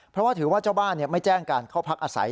เพราะว่าถือว่าเจ้าบ้านไม่แจ้งการเข้าพักอาศัย